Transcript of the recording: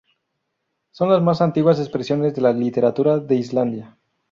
Son las más antiguas expresiones de la literatura de Islandia.